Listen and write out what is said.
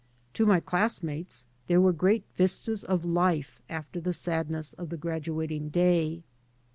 To my classmates there were great vistas of life after the sadness of the graduating day.